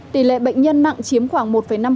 tỷ lệ bệnh nhân nặng chiếm khoảng một năm